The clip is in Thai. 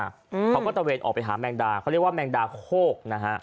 เขาก็ตะเวนออกไปหาแมงดาเขาเรียกว่าแมงดาโคกนะฮะ